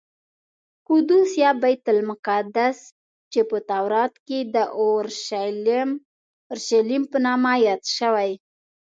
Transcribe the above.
قدس یا بیت المقدس چې په تورات کې د اورشلیم په نامه یاد شوی.